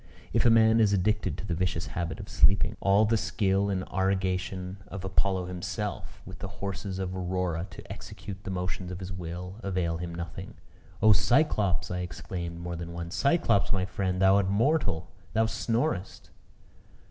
If a man is addicted to the vicious habit of sleeping, all the skill in aurigation of Apollo himself, with the horses of Aurora to execute the motions of his will, avail him nothing. "Oh, Cyclops!" I exclaimed more than once, "Cyclops, my friend; thou art mortal. Thou snorest."